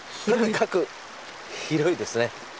とにかく広いですね。